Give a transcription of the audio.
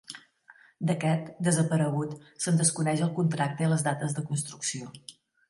D’aquest, desaparegut, se’n desconeix el contracte i les dates de construcció.